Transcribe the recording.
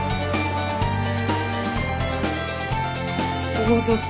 お待たせ。